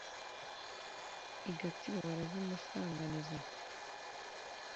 i gatsibo barazimusanganiza